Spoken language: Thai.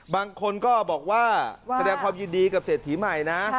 บางคนก็บอกว่าแสดงความยินดีกับเศรษฐีใหม่นะ